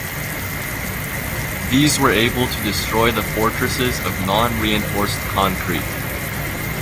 These were able to destroy the fortresses of non-reinforced concrete.